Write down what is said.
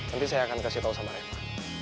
nanti saya akan kasih tau sama reva